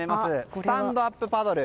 スタンドアップパドル。